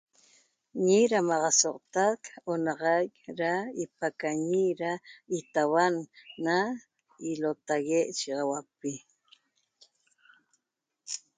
Ñi ramaxasoxotac onaxaic ra ipacañi ra itauan na ilota'ague ye ahuaqpi